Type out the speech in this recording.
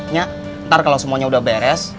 nya ntar kalau semuanya udah beres